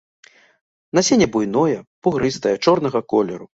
Насенне буйное, бугрыстае, чорнага колеру.